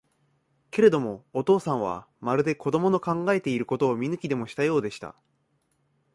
けれども、お父さんは、まるで子供の考えていることを見抜きでもしたようでした。